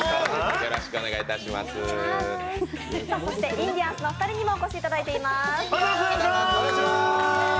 インディアンスのお二人にもお越しいただいています。